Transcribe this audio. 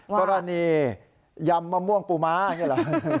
กรณียำมะม่วงปูม้าอย่างนี้เหรอ